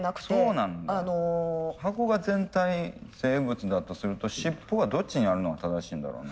箱が全体生物だとすると尻尾がどっちにあるのが正しいんだろう？